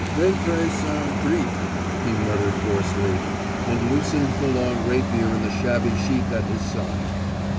"Ventre St. Gris!" he muttered hoarsely, and loosened the long rapier in the shabby sheath at his side.